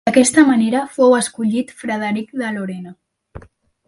D'aquesta manera fou escollit Frederic de Lorena.